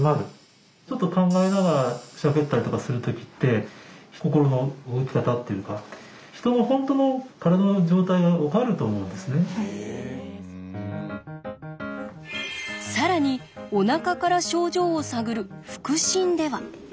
ちょっと考えながらしゃべったりとかする時って心の動き方っていうか更におなかから症状を探る腹診では。